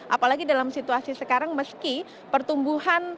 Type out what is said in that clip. apalagi dalam situasi sekarang meski pertumbuhan